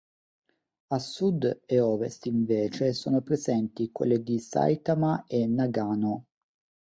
A sud e ovest invece sono presenti quelle di Saitama e Nagano.